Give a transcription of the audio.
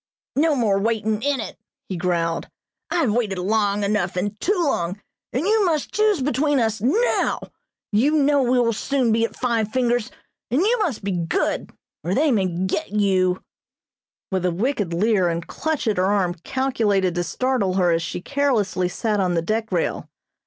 "No more waitin' in it," he growled. "I have waited long enough, and too long, and you must choose between us now. You know we will soon be at 'Five Fingers,' and you must be good or they may get you," with a wicked leer and clutch at her arm calculated to startle her as she carelessly sat on the deck rail.